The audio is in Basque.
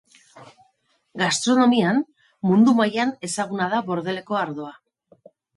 Gastronomian, mundu mailan ezaguna da Bordeleko ardoa.